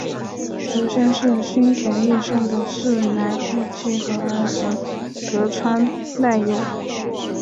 祖先是新田义重的四男义季和儿子得川赖有。